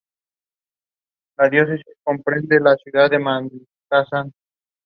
En África del Norte, las hojas se utilizan comúnmente para la fabricación de cabañas.